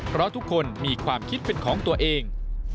เพราะทุกคนมีความคิดเป็นของตัวเอง